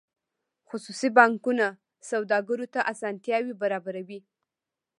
خصوصي بانکونه سوداګرو ته اسانتیاوې برابروي